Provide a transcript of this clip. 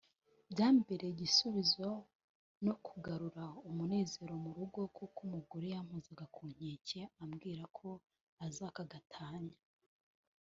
Byambereye igisubizo no kugarura umunezero mu rugo kuko umugore yampozaga ku nkeke ambwira ko azaka gatanya”